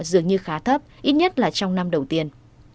dường như khá thấp ít nhất là trong năm đầu tiên